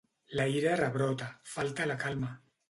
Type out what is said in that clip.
La ira rebrota: falta la calma.